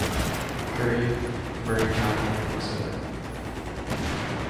Currie, Murray County, Minnesota'.